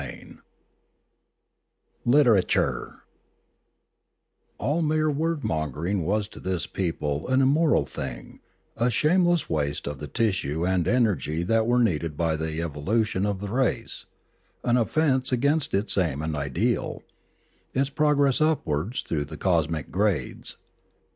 CHAPTER V LITERATURE ALL mere word mongering was to this people an immoral thing, a shameless waste of the tissue and energy that were needed by the evolution of the race, an offence against its aim and ideal, its progress upwards through the cosmic grades.